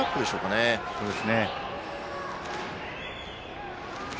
そうですね。